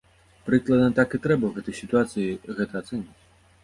Прыкладна так і трэба ў гэтай сітуацыі гэта ацэньваць.